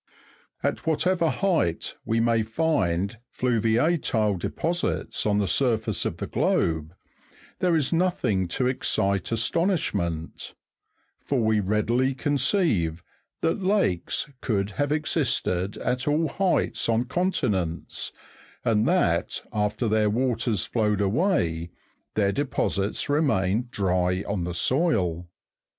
At whatever height we may find fluviatile deposits on the surface of the globe, there is nothing to excite astonishment; for we readily conceive that lakes could have existed at all heights on continents, and that after their waters flowed away their deposits remained dry on the soil.